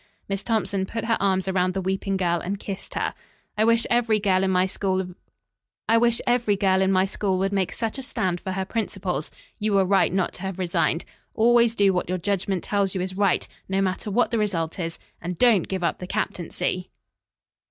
Miss Thompson put her arms around the weeping girl and kissed her. "I wish every girl in my school would make such a stand for her principles. You were right not to have resigned. Always do what your judgment tells you is right, no matter what the result is, and don't give up the captaincy!"